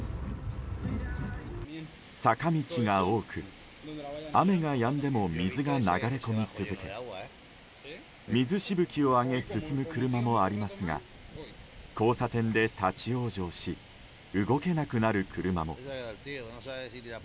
坂道が多く雨がやんでも水が流れ込み続け水しぶきを上げ進む車もありますが交差点で立ち往生し動けなくなる車も。